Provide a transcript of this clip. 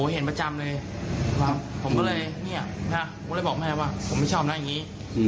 เห็นประจำเลยผมก็เลยบอกแม่ว่าผมไม่ชอบหน้าอย่างนี้